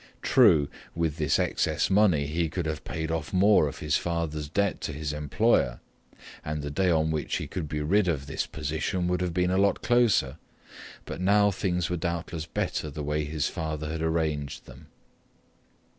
True, with this excess money, he could have paid off more of his father's debt to his employer and the day on which he could be rid of this position would have been a lot closer, but now things were doubtless better the way his father had arranged them.